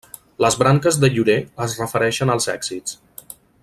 Les branques de llorer es refereixen als èxits.